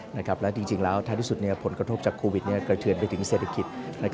และถ้าที่สุดผลกระทบจากโควิดกระเทือนไปถึงเศรษฐกิจ